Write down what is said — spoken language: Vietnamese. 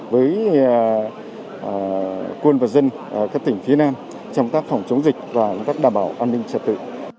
với quân và dân ở các tỉnh phía nam trong các phòng chống dịch và các đảm bảo an ninh trật tự